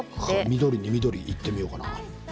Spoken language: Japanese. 緑に緑、いってみようかな。